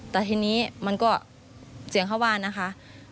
แต่ทีนี้มันก็เสียงเข้าบ้านนะคะ